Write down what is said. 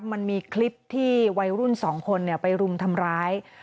มันมีคลิปที่วัยรุ่น๒คนไปรุมทำร้าย